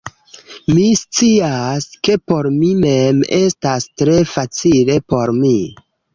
Mi scias, ke por mi mem estas tre facile por mi